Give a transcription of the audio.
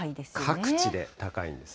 各地で高いんです。